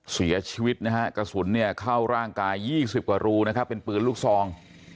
เสียชีวิตนะฮะกระสุนเนี่ยเข้าร่างกาย๒๐กว่ารูนะครับเป็นปืนลูกซอง